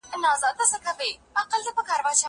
زه به اوږده موده د کتابتون د کار مرسته کړې وم؟